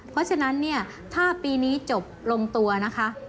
เพราะฉะนั้นเนี่ยถ้าปีนี้จบลงตัวนะคะ